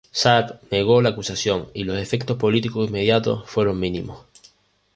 Sharp negó la acusación, y los efectos políticos inmediatos fueron mínimos.